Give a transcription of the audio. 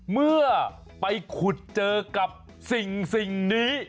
เมื่อไปขุดเจอกับสิ่งนี้